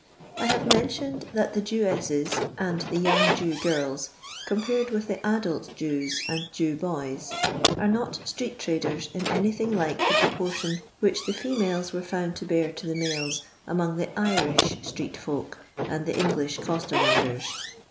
I HATE mentioned that the Jewesses and the young Jew girU, compared with the adalt Jews and Jew boys, are not street traders in anything like the proponion which the fennles were found to bear to the mnles among the Irish stree^folk and the English costermongers.